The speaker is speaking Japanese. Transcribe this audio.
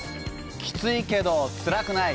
きついけどつらくない。